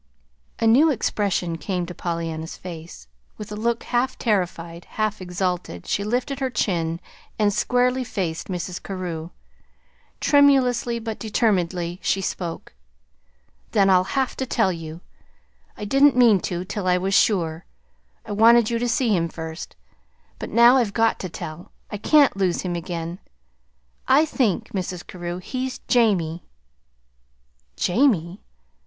A new expression came to Pollyanna's face. With a look half terrified, half exalted, she lifted her chin and squarely faced Mrs. Carew. Tremulously, but determinedly, she spoke. "Then I'll have to tell you. I didn't mean to till I was sure. I wanted you to see him first. But now I've got to tell. I can't lose him again. I think, Mrs. Carew, he's Jamie." "Jamie!